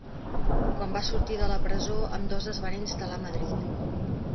Quan va sortir de la presó ambdós es van instal·lar a Madrid.